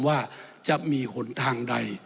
ว่าจะมีหนทางใด